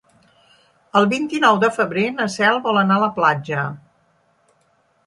El vint-i-nou de febrer na Cel vol anar a la platja.